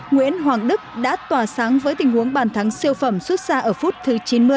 nguyễn hoàng đức đã tỏa sáng với tình huống bàn thắng siêu phẩm xuất ra ở phút thứ chín mươi